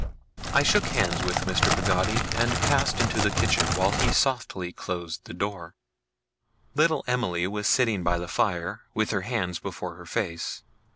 I shook hands with Mr. Peggotty, and passed into the kitchen, while he softly closed the door. Little Emily was sitting by the fire, with her hands before her face.